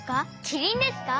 キリンですか？